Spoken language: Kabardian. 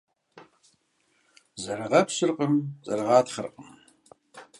Зэрыгъэпщыркъым, зэрыгъатхъэркъым.